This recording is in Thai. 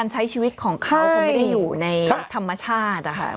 ใช้ชีวิตของเขาก็ไม่ได้อยู่ในธรรมชาติอะค่ะ